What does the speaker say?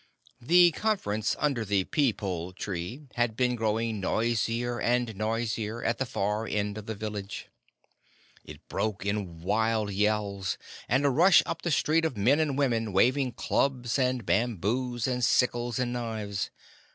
The conference under the peepul tree had been growing noisier and noisier, at the far end of the village. It broke in wild yells, and a rush up the street of men and women, waving clubs and bamboos and sickles and knives.